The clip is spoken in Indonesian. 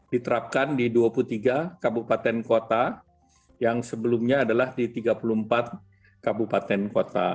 diterapkan di dua puluh tiga kabupaten kota yang sebelumnya adalah di tiga puluh empat kabupaten kota